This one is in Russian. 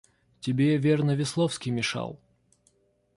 Тебе, верно, Весловский мешал.